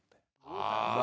ああ。